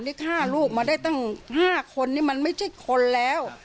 ที่ฆ่าลูกมาได้ตั้ง๕คนนี่มันไม่ใช่คนแล้ว